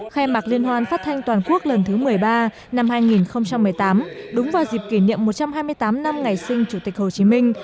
khai mạc liên hoan phát thanh toàn quốc lần thứ một mươi ba năm hai nghìn một mươi tám đúng vào dịp kỷ niệm một trăm hai mươi tám năm ngày sinh chủ tịch hồ chí minh